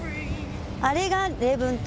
あれが礼文島？